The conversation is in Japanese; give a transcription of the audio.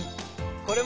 これも！